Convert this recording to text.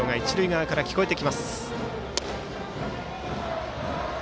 その音色が一塁側から聴こえてきます。